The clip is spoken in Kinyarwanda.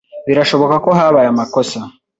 Birashoboka ko habaye amakosa.